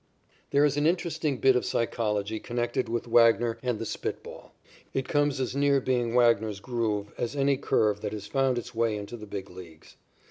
There is an interesting bit of psychology connected with Wagner and the spit ball. It comes as near being Wagner's "groove" as any curve that has found its way into the Big Leagues.